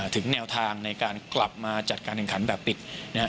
ถึงแนวทางในการกลับมาจัดการแข่งขันแบบปิดนะครับ